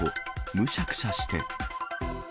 むしゃくしゃして。